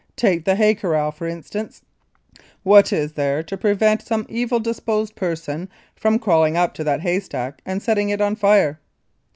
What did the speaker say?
Take the hay corral, for instance; what is there to prevent some evil disposed person from crawling up to that haystack and setting it on fire?